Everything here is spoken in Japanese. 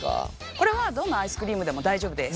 これはどんなアイスクリームでも大丈夫です。